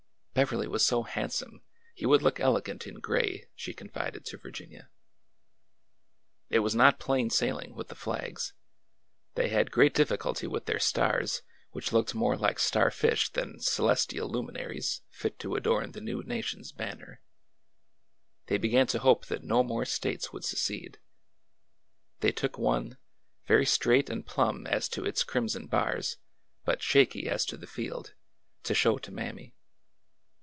Beverly was so handsome! He would look elegant in gray, she confided to Virginia. It was not plain sailing with the flags. They had great difficulty with their stars, which looked more like star fish than celestial luminaries fit to adorn the new nation's banner. They began to hope that no more States would secede. They took one, very straight and plumb as to its crimson bars," but shaky as to the field, to show to Mammy.